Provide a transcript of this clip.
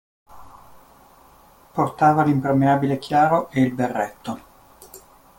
Portava l'impermeabile chiaro e il berretto.